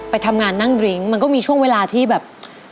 ไปทำงานนั่งดริ้งมันก็มีช่วงเวลาที่แบบ